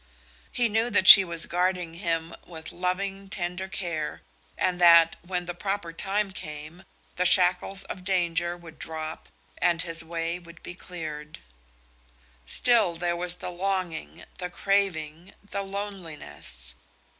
He knew that she was guarding him with loving, tender care, and that, when the proper time came, the shackles of danger would drop and his way would be cleared. Still there was the longing, the craving, the loneliness.